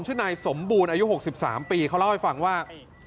นายสมบูรณ์อายุ๖๓ปีเขาเล่าให้ฟังว่า